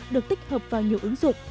được tích hợp vào nhiều ứng dụng